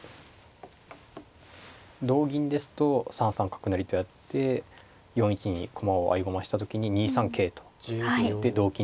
同銀ですと３三角成とやって４一に駒を合駒した時に２三桂と打って同金